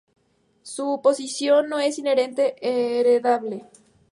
Su posición no es inherentemente heredable.